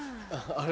あれ？